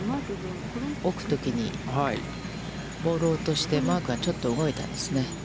置くときに、ボールを落としてマークがちょっと動いたんですね。